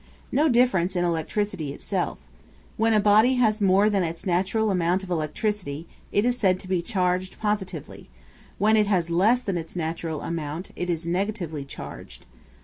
No difference in electricity in itself. When a body has more than its natural amount of electricity, it is said to be charged positively; when it has less than its natural amount it is negatively charged.